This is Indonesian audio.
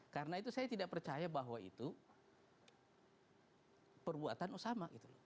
karena itu saya tidak percaya bahwa itu perbuatan osama